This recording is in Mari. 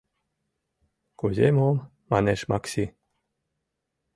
— Кузе мом? — манеш Макси.